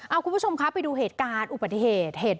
เอาคุณผู้ชมคะไปดูเหตุการณ์อุบัติเหตุ